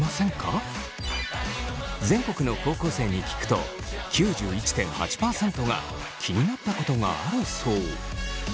全国の高校生に聞くと９１．８％が気になったことがあるそう。